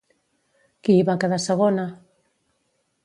Qui hi va quedar segona?